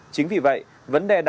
chính vì vậy vấn đề đặc biệt là